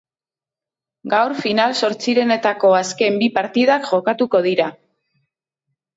Gaur final-zortzirenetako azken bi partidak jokatuko dira.